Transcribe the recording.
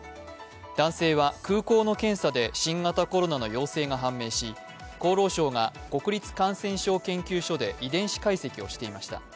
男性は空港の検査で新型コロナの陽性が判明し、厚労省が国立感染症研究所で遺伝子解析をしていました。